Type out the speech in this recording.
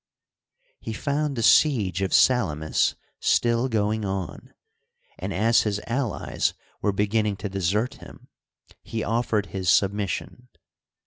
He found the siege of Salamis still going on, and, as his allies were beginning to desert him, he offered his submission.